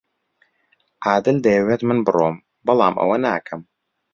عادل دەیەوێت من بڕۆم، بەڵام ئەوە ناکەم.